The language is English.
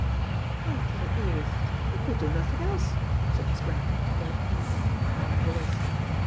"My dear Edith, I could do nothing else," said Miss Grantham, in an even, calm voice.